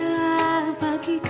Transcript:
selalu menentangkan perasaanku